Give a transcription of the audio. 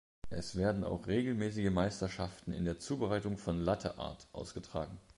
Es werden auch regelmäßige Meisterschaften in der Zubereitung von Latte Art ausgetragen.